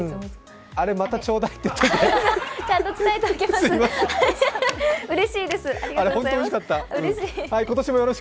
あれまたちょうだいって言っておいて。